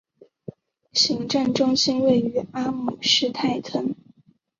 行政中心位于阿姆施泰滕。